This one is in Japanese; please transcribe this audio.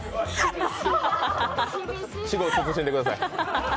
私語を慎んでください。